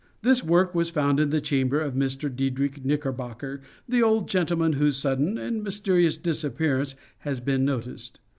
This work was found in the chamber of Mr. Diedrich Knickerbocker, the old gentleman whose sudden and mysterious disappearance has been noticed.